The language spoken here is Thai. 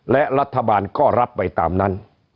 และรัฐบาลก็รับไปตามนั้น